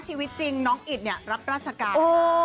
ชีวิตจริงน้องอิจรรย์เรารับราชการ